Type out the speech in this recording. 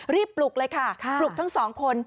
ปลุกเลยค่ะปลุกทั้งสองคน